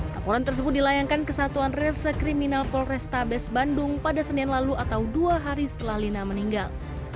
laporan tersebut dilayangkan kesatuan reserse kriminal polrestabes bandung pada senin lalu atau dua hari setelah lina meninggal